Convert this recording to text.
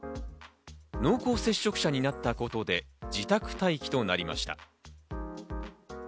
濃厚接触者になったことで自宅待機となりました。